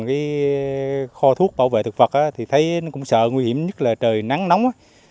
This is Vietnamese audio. cái kho thuốc bảo vệ thực vật thì thấy nó cũng sợ nguy hiểm nhất là trời nắng nóng